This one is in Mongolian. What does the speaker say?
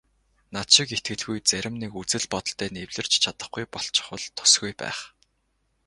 Над шиг итгэлгүй зарим нэг үзэл бодолтой нь эвлэрч чадахгүй болчихвол тусгүй байх.